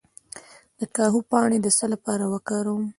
د کاهو پاڼې د څه لپاره وکاروم؟